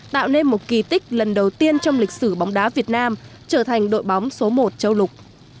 tạo nên một kỳ tích lần đầu tiên trong lịch sử bóng đá việt nam trở thành đội bóng số một châu lục